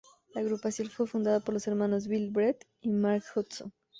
La agrupación fue fundada por los hermanos Bill, Brett y Mark Hudson.